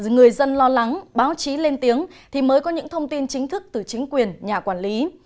người dân lo lắng báo chí lên tiếng thì mới có những thông tin chính thức từ chính quyền nhà quản lý